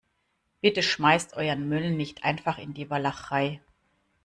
Bitte schmeißt euren Müll nicht einfach in die Walachei.